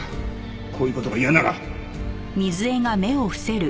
こういう事が嫌なら。